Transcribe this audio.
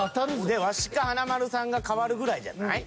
でワシか華丸さんが替わるぐらいじゃない？